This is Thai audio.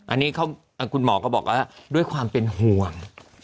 อันนี้คุณหมอก็บอกว่าด้วยความเป็นห่วง